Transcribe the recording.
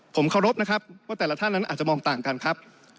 ผมเคารพนะครับว่าแต่ละท่านนั้นอาจจะมองต่างกันครับ